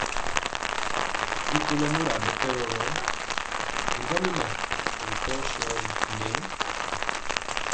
Rikólo mora mɛtɛgɔ gɔ, bigɔmŋa ŋɛɛ bi tɔ shogi ŋɛɛ.